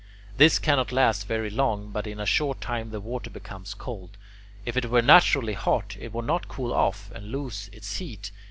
This cannot last very long, but in a short time the water becomes cold. If it were naturally hot, it would not cool off and lose its heat.